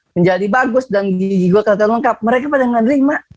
menjadi bagus dan di gua terlihat lengkap mereka pada ga terima